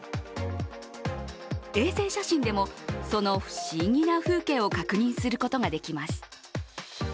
衛星写真でも、その不思議な風景を確認することができます。